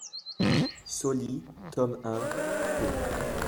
Sauli, tome un, p.